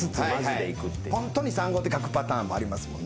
ホントに３５って書くパターンもありますもんね。